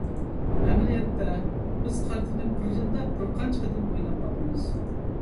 ئەمەلىيەتتە، بىز قارتىنى بىر يىلدا بىرقانچە قېتىم ئويناپ باقىمىز.